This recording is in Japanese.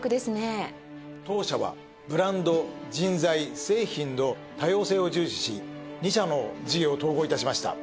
当社はブランド人材製品の多様性を重視し２社の事業を統合致しました。